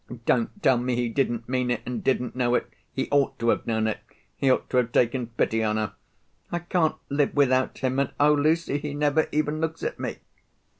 Don't tell me he didn't mean it, and didn't know it. He ought to have known it. He ought to have taken pity on her. 'I can't live without him—and, oh, Lucy, he never even looks at me.